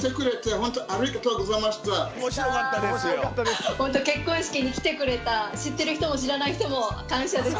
本当結婚式に来てくれた知ってる人も知らない人も感謝です。